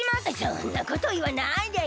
そんなこといわないでよ。